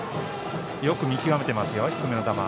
よく見極めていますよ、低めの球。